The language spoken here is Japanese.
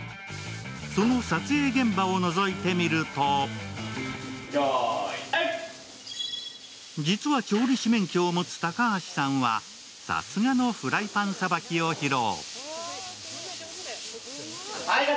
その撮影現場をのぞいてみると実は調理師免許を持つ高橋さんは、さすがのフライパンさばきを披露。